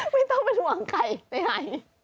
ไม่ต้องเป็นห่วงไข่ในหาย